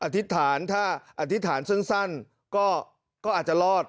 อธิษฐานถ้าอธิษฐานสั้นก็อาจจะรอด